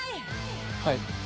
はい。